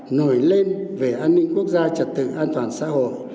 nổi lên về an ninh quốc gia trật tự an toàn xã hội